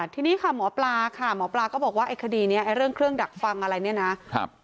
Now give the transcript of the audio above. ทีนี้ค่ะหมอปลาค่ะหมอปลาก็บอกว่าไอ้คดีนี้ไอ้เรื่องเครื่องดักฟังอะไรเนี่ยนะครับ